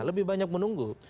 lebih banyak menunggu